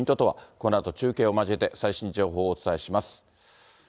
このあと中継を交えて、最新情報をお伝えします。